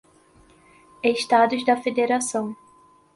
Estados da Federação